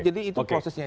jadi itu prosesnya